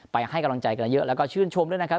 ให้กำลังใจกันเยอะแล้วก็ชื่นชมด้วยนะครับ